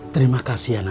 terima kasih anak